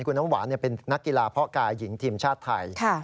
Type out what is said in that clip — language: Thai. คุณน้ำหวานเป็นนักกีฬาเพาะกายหญิงทีมชาติไทย